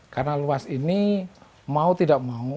karena luas ini mau tidak mau